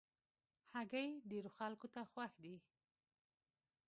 هګۍ ډېرو خلکو ته خوښ دي.